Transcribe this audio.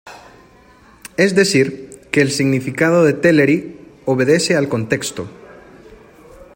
Es decir, que el significado de teleri obedece al contexto.